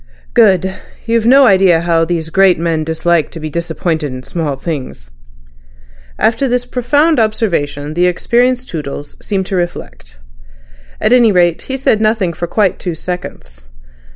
"Good. You've no idea how these great men dislike to be disappointed in small things." After this profound observation the experienced Toodles seemed to reflect. At any rate he said nothing for quite two seconds.